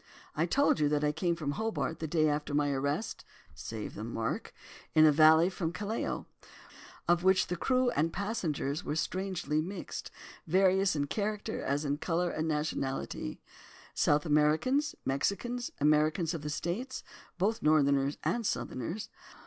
I told you that I came from Hobart, the day after my arrest (save the mark!), in a vessel from Callao, of which the crew and passengers were strangely mixed, various in character as in colour and nationality; South Americans, Mexicans, Americans of the States, both Northerners and Southerners.